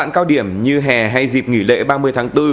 như hè hay dịp nghỉ lễ ba mươi tháng bốn